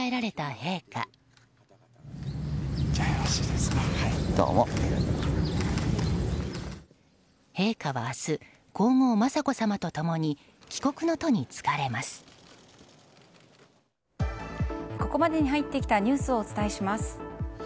陛下は明日皇后・雅子さまと共にここまでに入ってきたニュースをお伝えします。